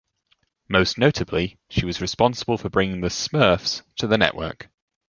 Most notably, she was responsible for bringing the "Smurfs" to the network.